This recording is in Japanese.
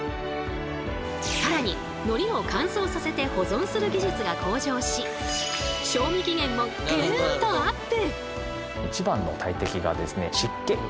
更に海苔を乾燥させて保存する技術が向上し賞味期限もグンとアップ！